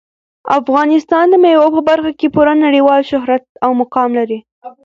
افغانستان د مېوو په برخه کې پوره نړیوال شهرت او مقام لري.